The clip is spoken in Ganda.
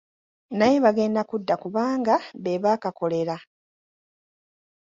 Naye bagenda kudda kubanga be baakakolera.